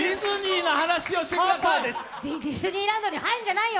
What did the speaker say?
ディズニーランドに入るんじゃないよ！